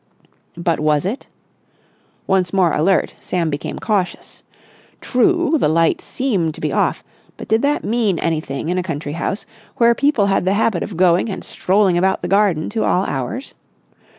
But was it? Once more alert, Sam became cautious. True, the light seemed to be off, but did that mean anything in a country house, where people had the habit of going and strolling about the garden to all hours?